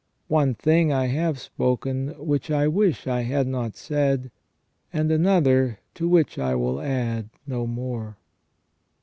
One thing I have spoken, which I wish I had not said ; and another, to which I will add no more."